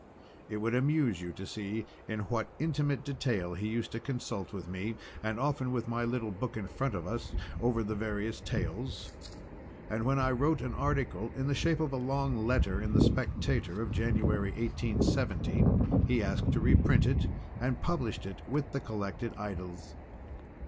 It would amuse you to see in what intimate detail he used to consult with me and often with my little book in front of us over the various tales, and when I wrote an article (in the shape of a long letter) in the Spectator of January 1870 he asked to reprint it, and published it with the collected Idylls.